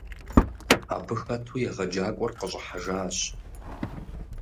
Абы хэту егъэджакӏуэр къыщӀыхьэжащ.